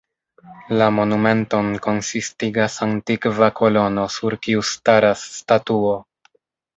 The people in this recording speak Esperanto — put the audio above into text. La monumenton konsistigas antikva kolono sur kiu staras statuo.